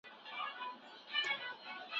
که یې ځای وو لویي وني په ځنګلوکي